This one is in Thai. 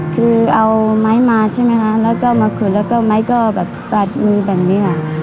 คือเอาไม้มาใช่ไหมคะแล้วก็มาขุดแล้วก็ไม้ก็แบบปัดมือแบบนี้ค่ะ